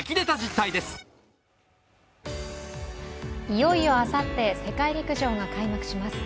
いよいよあさって、世界陸上が開幕します。